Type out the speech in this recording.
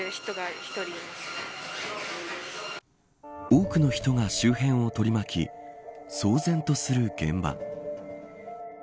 多くの人が周辺を取り巻き騒然とする現場。